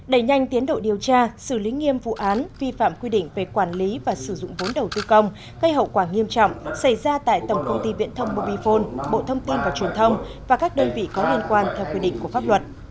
đẩy nhanh tiến độ điều tra xử lý nghiêm vụ án vi phạm quy định về quản lý và sử dụng vốn đầu tư công gây hậu quả nghiêm trọng xảy ra tại tổng công ty viện thông mobifone bộ thông tin và truyền thông và các đơn vị có liên quan theo quy định của pháp luật